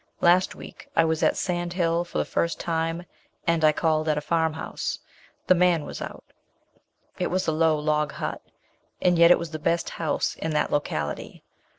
Last week I was at Sand Hill for the first time, and I called at a farmhouse. The man was out. It was a low log hut, and yet it was the best house in that locality.